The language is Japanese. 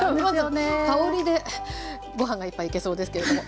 香りでご飯が１杯いけそうですけれども。